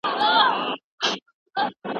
د کابل وروسته احمد شاه ابدالي کوم لوري ته ولاړ؟